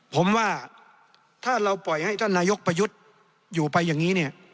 ผมว่าถ้าเราปล่อยให้ท่านนายกประยุทธ์อยู่ไปอย่างนี้เนี่ย